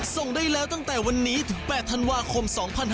ส่งได้แล้วตั้งแต่วันนี้ถึง๘ธันวาคม๒๕๖๒